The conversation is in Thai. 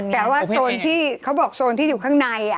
แต่ว่าโซนที่เขาบอกโซนที่อยู่ข้างใน